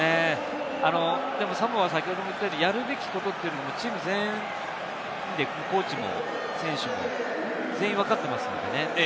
でもサモアは、やるべきことというのはチーム全員でコーチも選手も全員わかっていますからね。